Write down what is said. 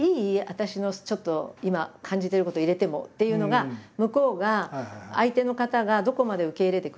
私のちょっと今感じてること入れても」っていうのが向こうが相手の方がどこまで受け入れてくれるかを様子を見ます。